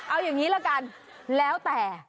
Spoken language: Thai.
เอาอย่างนี้ละกัน